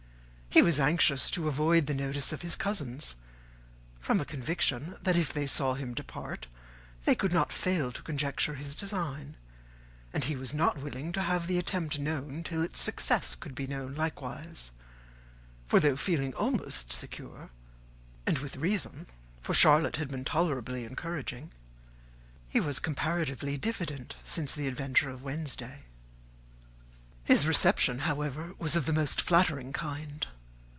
He was anxious to avoid the notice of his cousins, from a conviction that, if they saw him depart, they could not fail to conjecture his design, and he was not willing to have the attempt known till its success could be known likewise; for, though feeling almost secure, and with reason, for Charlotte had been tolerably encouraging, he was comparatively diffident since the adventure of Wednesday. His reception, however, was of the most flattering kind.